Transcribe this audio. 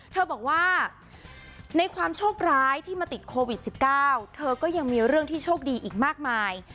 เธอบอกว่าในความโชคร้ายที่มาติดโควิด๑๙เธอก็ยังมีเรื่องที่โชคดีอีกมากมาย